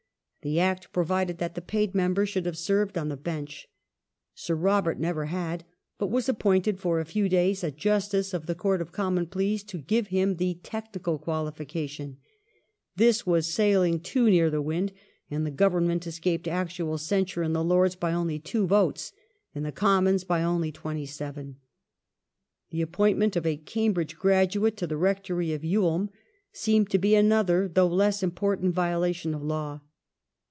The Act provided that the paid member should have served on the Bench. Sir Robert never had, but was appointed for a few days a Justice of the Court of Common Pleas, to give him the technical qualification. This was sailing too near the wind, and the Govern ment escaped actual censure in the Lords by only two votes, in the Commons by only twenty seven. The appointment of a Cambiidge Graduate to the Rectory of Ewelme seemed to be another, though less important, violation of law.